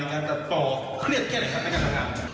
การจับต่อเครียดแค่ไหนครับ